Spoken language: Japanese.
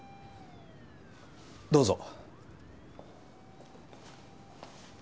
どうぞ。